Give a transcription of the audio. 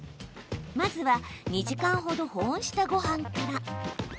まずは２時間ほど保温したごはんから。